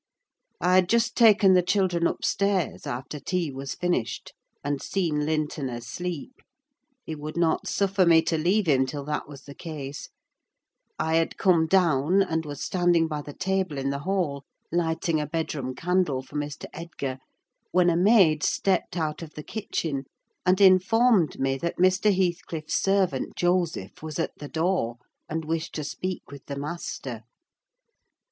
I had just taken the children upstairs, after tea was finished, and seen Linton asleep—he would not suffer me to leave him till that was the case—I had come down, and was standing by the table in the hall, lighting a bedroom candle for Mr. Edgar, when a maid stepped out of the kitchen and informed me that Mr. Heathcliff's servant Joseph was at the door, and wished to speak with the master.